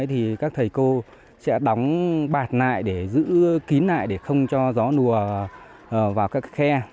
thì các thầy cô sẽ đóng bạt lại để giữ kín lại để không cho gió đùa vào các khe